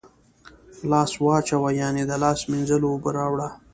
لاس واچوه ، یعنی د لاس مینځلو اوبه راوړه